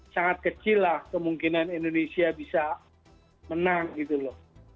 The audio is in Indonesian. sangat kecil lah kemungkinan indonesia bisa menang gitu loh